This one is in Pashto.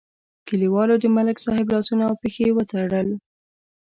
کلیوالو د ملک صاحب لاسونه او پښې وتړل.